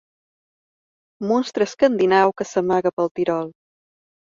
Monstre escandinau que s'amaga pel Tirol.